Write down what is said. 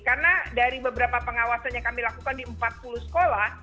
karena dari beberapa pengawasan yang kami lakukan di empat puluh sekolah